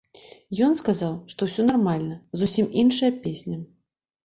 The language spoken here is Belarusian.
Ён сказаў, што ўсё нармальна, зусім іншая песня.